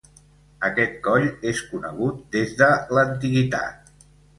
Aquest coll és conegut des de l'antiguitat.